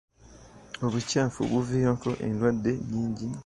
Obukyafu buviirako endwadde nnyingi.